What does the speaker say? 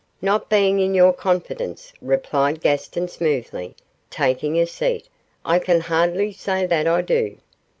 'Not being in your confidence,' replied Gaston, smoothly, taking a seat, 'I can hardly say that I do.